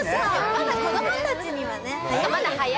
まだ子供たちにはね早い。